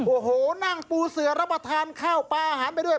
โอ้โหนั่งปูเสือรับประทานข้าวปลาอาหารไปด้วย